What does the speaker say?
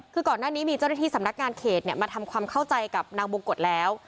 คือก่อนหน้านี้มีเจ้าหน้าที่สำนักงานเขตมาทำความเข้าใจกับนางบงกฎแล้ว